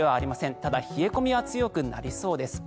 ただ、冷え込みは強くなりそうです。